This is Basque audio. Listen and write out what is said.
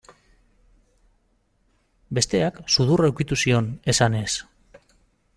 Besteak, sudurra ukitu zion, esanez.